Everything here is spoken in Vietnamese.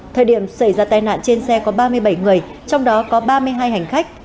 thời điểm xảy ra tai nạn trên xe có ba mươi bảy người trong đó có ba mươi hai hành khách